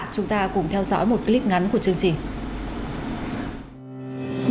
chúng ta cùng theo dõi một clip ngắn của chương trình